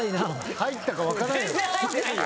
入ったかわからんよ。